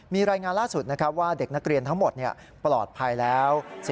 มีรายงานล่าสุดนะครับว่าเด็กนักเรียนทั้งหมดปลอดภัยแล้ว